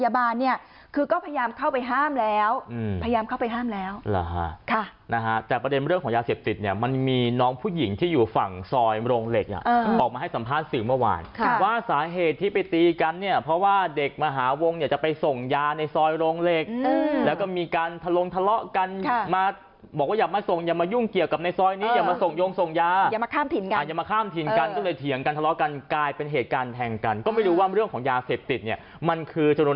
บอกมาให้สัมภาษณ์สื่อเมื่อวานว่าสาเหตุที่ไปตีกันเนี่ยเพราะว่าเด็กมหาวงเนี่ยจะไปส่งยาในซอยโรงเหล็กแล้วก็มีการทะลงทะเลาะกันบอกว่าอย่ามาส่งอย่ามายุ่งเกี่ยวกับในซอยนี้อย่ามาส่งโยงส่งยาอย่ามาข้ามถิ่นกันก็เลยเถียงกันทะเลาะกันกลายเป็นเหตุการแทงกันก็ไม่รู้ว่าเรื่องของยาเสพติดเ